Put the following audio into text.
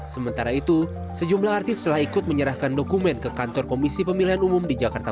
sementara itu sejumlah artis telah ikut menyerahkan dokumen ke kantor komisi pemilihan umum di jakarta